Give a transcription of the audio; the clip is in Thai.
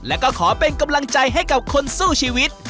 และก็ขอเป็นกำลังใจให้กับคนสู้ชีวิต